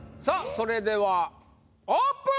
それではオープン！